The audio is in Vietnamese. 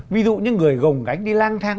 ví dụ những người gồng gánh đi lang thang